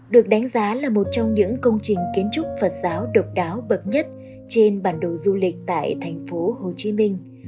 được đánh giá là một trong những công trình kiến trúc phật giáo độc đáo bậc nhất trên bản đồ du lịch tại thành phố hồ chí minh